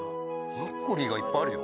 ブロッコリーがいっぱいあるよ。